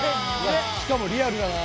しかもリアルだな。